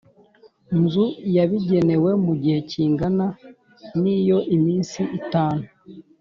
Nzu yabigenewe mu gihe kingana n iyo iminsi itanu